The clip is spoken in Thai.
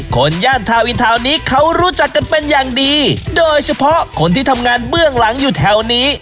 คนย่านทาวินทาวน์นี้เขารู้จักกันเป็นอย่างดีโดยเฉพาะคนที่ทำงานเบื้องหลังอยู่แถวนี้